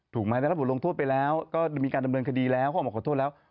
ได้รับบทลงโทษไปแล้วก็มีการดำเนินคดีแล้วเขาออกมาขอโทษแล้ว